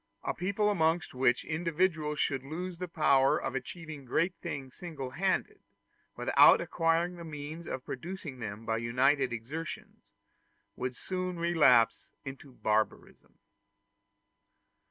A people amongst which individuals should lose the power of achieving great things single handed, without acquiring the means of producing them by united exertions, would soon relapse into barbarism.